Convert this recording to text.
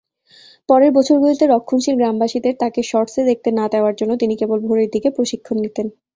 পরের বছরগুলিতে, রক্ষণশীল গ্রামবাসীদের তাকে শর্টস এ দেখতে না দেওয়ার জন্য তিনি কেবল ভোরের দিকে প্রশিক্ষণ নিতেন।